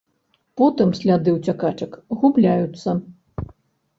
Потым сляды ўцякачак губляюцца.